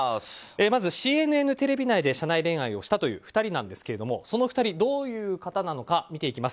まずＣＮＮテレビ内で社内恋愛をした２人なんですがその２人、どういう方なのか。